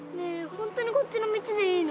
ホントにこっちの道でいいの？